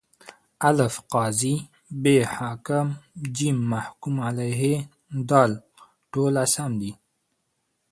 الف: قاضي ب: حاکم ج: محکوم علیه د: ټوله سم دي.